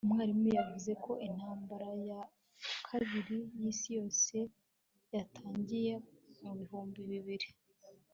Umwarimu yavuze ko Intambara ya Kabiri yIsi Yose yatangiye mu bihumbi bibiri